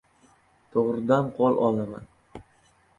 To‘g‘ridan qo‘l olaman.